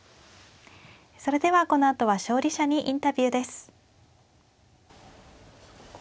それではこのあとは勝利者にインタビューです。